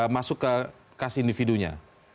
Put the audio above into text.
masuk ke kas individunya